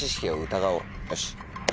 よし。